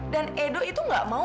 dan edo itu gak mau